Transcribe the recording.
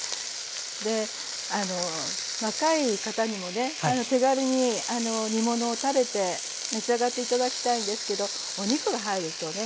で若い方にもね手軽に煮物を食べて召し上がって頂きたいんですけどお肉が入るとね